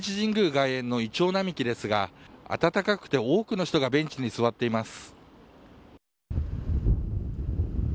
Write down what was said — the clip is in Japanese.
外苑のイチョウ並木ですが暖かくて、多くの人がベンチに座っています。